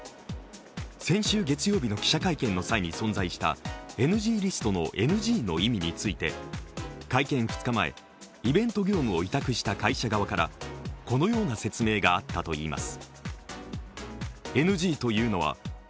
先週月曜日の記者会見の際に存在したＮＧリストのＮＧの意味について、会見２日前イベント業務を委託した会社側からこのような説明があったといいます。